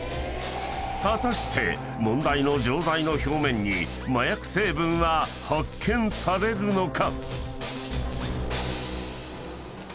［果たして問題の錠剤の表面に麻薬成分は発見されるのか？］